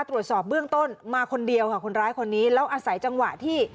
ตรวจสอบเบื้องต้นมาคนเดียวค่ะคนร้ายคนนี้แล้วอาศัยจังหวะที่